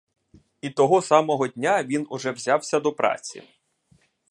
І того самого дня він уже взявся до праці.